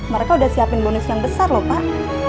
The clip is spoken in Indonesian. mereka udah siapin bonus yang besar loh pak